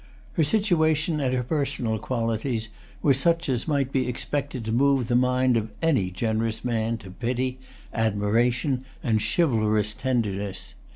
Her situation and her personal qualities were such as might be expected to move the mind of any generous man to pity, admiration, and chivalrous tenderness.